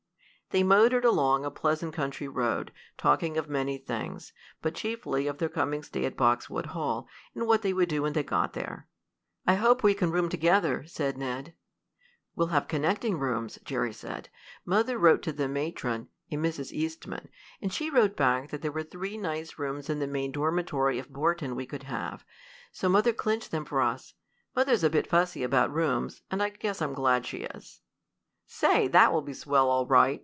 They motored along a pleasant country road, talking of many things, but chiefly of their coming stay at Boxwood Hall, and what they would do when they got there. "I hope we can room together," said Ned. "We'll have connecting rooms," Jerry said. "Mother wrote to the matron, a Mrs. Eastman, and she wrote back that there were three nice rooms in the main dormitory of Borton we could have. So mother clinched them for us. Mother's a bit fussy about rooms, and I guess I'm glad she is." "Say, that will be swell all right!"